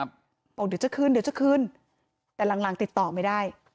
บอกเดี๋ยวจะขึ้นแต่หลังติดต่อไม่ได้